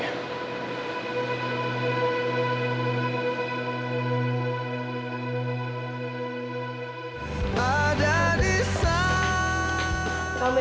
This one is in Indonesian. gimana caranya nangkep dia